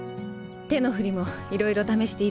手の振りもいろいろ試していいですか？